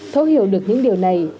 thấu hiểu được những điều này